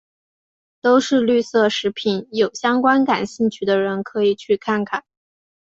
都是绿色食品有相关感兴趣的人可以去看看。